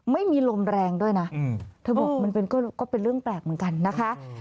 ไม่มีลมแรงด้วยนะเธอบอกมันก็เป็นเรื่องแปลกเหมือนกันนะคะ